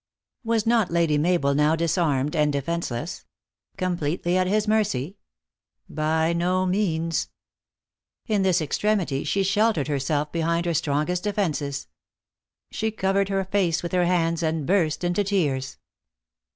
Was not Lady Mabel now disarmed and defence 404 THE ACTRESS IN HIGH LIFE. less ? Completely at his mercy ? By no means ! In this extremity she sheltered herself behind her strong est defences. She covered her face with her hands, and burst into tears.